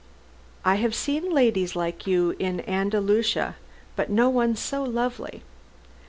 I have seen ladies like you in Andalusia, but no one so lovely.